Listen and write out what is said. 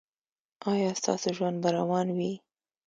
ایا ستاسو ژوند به روان وي؟